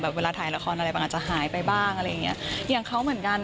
เวลาถ่ายละครอะไรบางอาจจะหายไปบ้างอะไรอย่างเงี้ยอย่างเขาเหมือนกัน